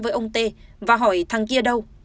với ông tê và hỏi thằng kia đâu